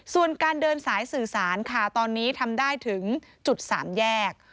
ส่วนการเดินสายสื่อสารค่ะตอนนี้ทำได้ถึงจุด๓แยก